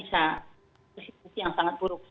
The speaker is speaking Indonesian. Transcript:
kita bisa ke situasi yang sangat buruk